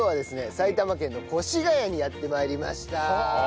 埼玉県の越谷にやって参りました。